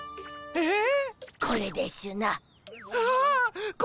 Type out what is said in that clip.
えっ？